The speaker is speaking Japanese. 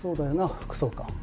副総監。